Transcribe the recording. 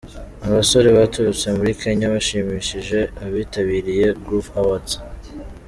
Abasore baturutse muri Kenya bashimishije abitabiriye Groove Awards.